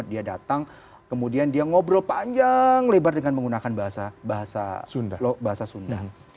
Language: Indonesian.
dia datang kemudian dia ngobrol panjang lebar dengan menggunakan bahasa sunda